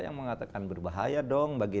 yang mengatakan berbahaya dong bagi